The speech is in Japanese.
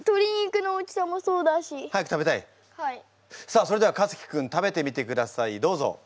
さあそれではかつき君食べてみてくださいどうぞ！